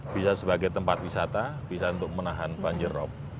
bisa sebagai tempat wisata bisa untuk menahan banjir rob